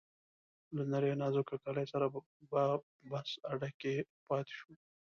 له نریو نازکو کالیو سره په بس اډه کې پاتې شو.